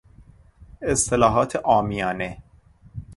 اصطلاحات عامیانه